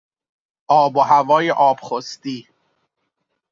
آب و هوای آبخستی